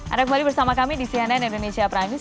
ada kembali bersama kami di cnn indonesia prime news